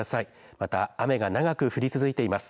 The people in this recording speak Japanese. また雨が長く降り続いています。